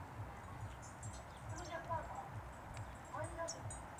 Similarly, a thunderegg is just one of the forms that agate can assume.